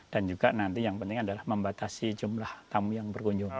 juga nanti yang penting adalah membatasi jumlah tamu yang berkunjung